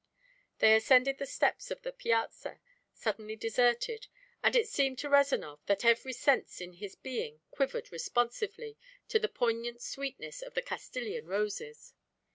They ascended the steps of the piazza, suddenly deserted, and it seemed to Rezanov that every sense in his being quivered responsively to the poignant sweetness of the Castilian roses.